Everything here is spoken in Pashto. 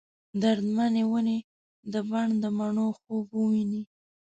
درد منې ونې د بڼ ، دمڼو خوب وویني